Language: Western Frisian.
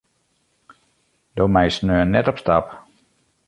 Do meist sneon net op stap.